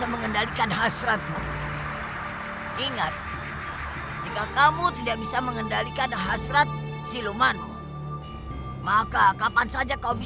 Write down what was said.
pak partners merau ungkik lu